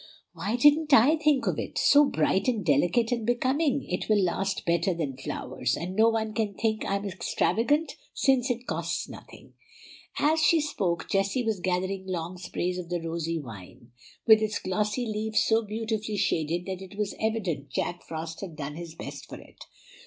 Why didn't I think of it? So bright and delicate and becoming? It will last better than flowers; and no one can think I'm extravagant, since it costs nothing." As she spoke, Jessie was gathering long sprays of the rosy vine, with its glossy leaves so beautifully shaded that it was evident Jack Frost had done his best for it.